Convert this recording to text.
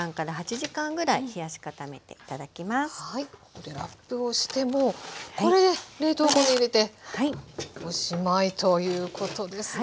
これラップをしてもうこれで冷凍庫に入れておしまいということですね。